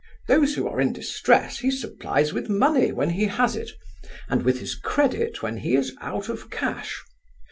Those who are in distress he supplies with money when he has it, and with his credit when he is out of cash.